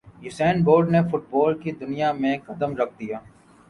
Usain bolt نے football کی دنیا میں قدم رکھ دیا